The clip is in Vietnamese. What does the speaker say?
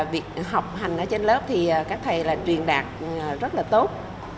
việc học hành ở trên lớp thì các thầy là truyền đạt rất là tốt